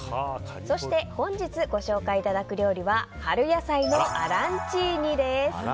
そして本日ご紹介いただく料理は春野菜のアランチーニです。